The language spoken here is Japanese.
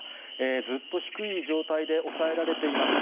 ずっと低い状態で抑えられています。